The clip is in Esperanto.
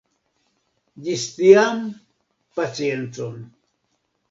Ĝis tiam, paciencon.